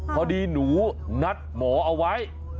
พอดีหนูนัดหมอเอาไว้